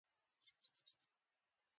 چې کاوور هوټل ته به څنګه ځو او څه ډول به وي.